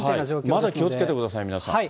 まだ気をつけてください、皆さん。